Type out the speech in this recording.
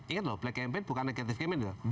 ingat loh black campaign bukan negatif campaign